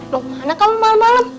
mau kemana kamu malem malem